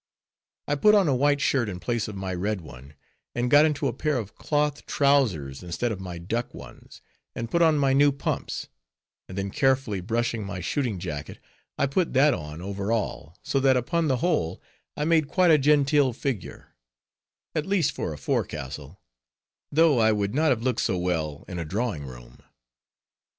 I put on a white shirt in place of my red one, and got into a pair of cloth trowsers instead of my duck ones, and put on my new pumps, and then carefully brushing my shooting jacket, I put that on over all, so that upon the whole, I made quite a genteel figure, at least for a forecastle, though I would not have looked so well in a drawing room.